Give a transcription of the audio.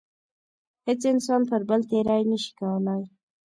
هیڅ انسان پر بل تېرۍ نشي کولای.